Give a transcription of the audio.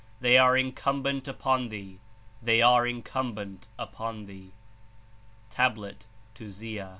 They are incumbent upon thee, they are incumbent upon thee." (Tah, to Z'ta.)